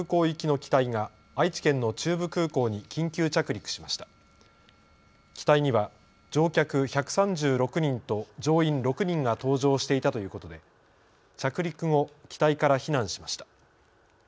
機体には乗客１３６人と乗員６人が搭乗していたということで着陸後、機体から避難しました。